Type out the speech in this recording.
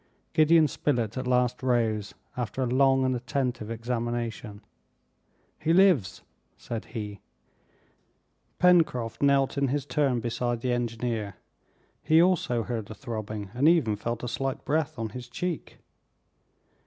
Gideon Spilett at last rose, after a long and attentive examination. "He lives!" said he. Pencroft knelt in his turn beside the engineer, he also heard a throbbing, and even felt a slight breath on his cheek.